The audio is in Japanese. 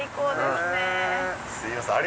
すいません